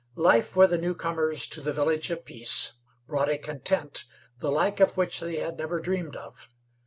Life for the newcomers to the Village of Peace brought a content, the like of which they had never dreamed of.